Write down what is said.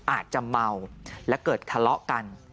อาจจะเมาและเกิดทะเลาะกัน